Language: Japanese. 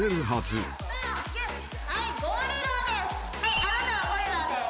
はい。